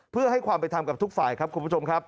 เพื่อให้ความเป็นธรรมกับทุกฝ่ายครับคุณผู้ชมครับ